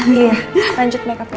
iya lanjut makeup ya